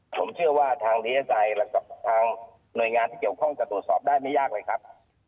ผมเชื่อว่าทางนิทัยแล้วก็ทางหน่วยงานที่เกี่ยวข้องจะตรวจสอบได้ไม่ยากเลยครับ